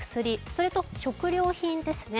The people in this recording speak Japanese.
それと食料品ですね。